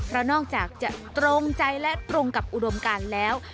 เพราะนอกจากจะตรงใจและตรงกับอุดมการแล้ว